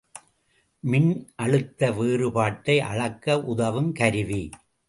மின்னழுத்த வேறுபாட்டை அளக்க உதவுங் கருவி.